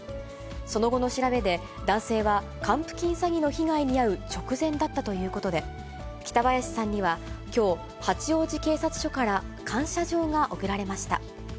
その後の調べで、男性は、還付金詐欺の被害に遭う直前だったということで、北林さんにはきょう、八王子警察署から感謝状が贈られました。